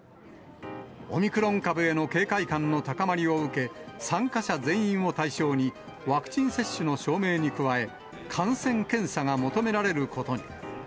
オミクロン株への警戒感の高まりを受け、参加者全員を対象に、ワクチン接種の証明に加え、感染検査が求められることに。